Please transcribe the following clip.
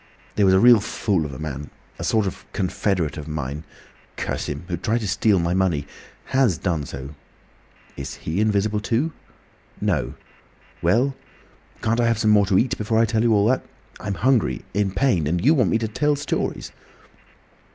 "There was a real fool of a man—a sort of confederate of mine—curse him!—who tried to steal my money. Has done so." "Is he invisible too?" "No." "Well?" "Can't I have some more to eat before I tell you all that? I'm hungry—in pain. And you want me to tell stories!"